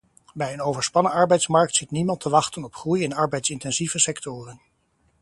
Bij een overspannen arbeidsmarkt zit niemand te wachten op groei in arbeidsintensieve sectoren.